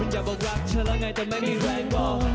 มันอย่าบอกรักเธอล่ะไงที่ไม่มีแรงบอก